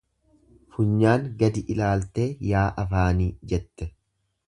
Funyaan gadi ilaaltee yaa afaanii jette.